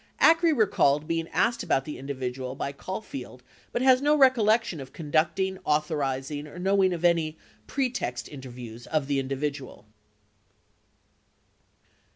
47 Acree recalled being asked about the individual by Caulfield but has no recollection of conducting, authorizing, or knowing of any "pretext interviews" of the individual.